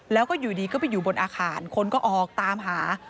แล้วก็อยู่ดีก็ไปอยู่บนอาคารคนก็ออกตามหา